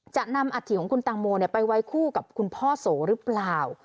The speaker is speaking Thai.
จะนำอัฐิของคุณตังโมไปไว้คู่กับคุณพ่อโสหรือเปล่า